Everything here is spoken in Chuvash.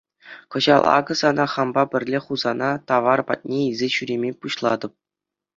Кӑҫал акӑ сана хампа пӗрле Хусана тавар патне илсе ҫӳреме пуҫлатӑп.